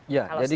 ya jadi begini